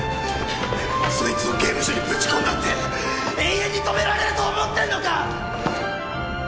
そいつを刑務所にぶち込んだって永遠に止められると思ってんのか！